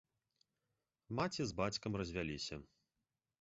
Маці з бацькам развяліся.